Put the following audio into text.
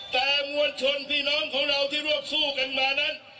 แต่มวลชนพี่น้องของเราที่รวบคู่กันมานั้น